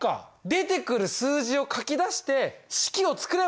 出てくる数字を書き出して式を作ればいいんだ！